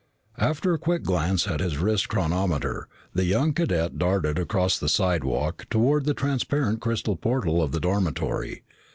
After a quick glance at his wrist chronometer, the young cadet darted across the slidewalk toward the transparent crystal portal of the dormitory.